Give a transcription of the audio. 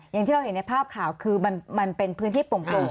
อย่างที่เราเห็นในภาพข่าวคือมันเป็นพื้นที่โป่ง